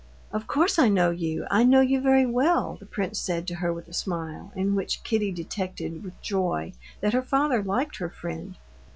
"Of course I know you; I know you very well," the prince said to her with a smile, in which Kitty detected with joy that her father liked her friend.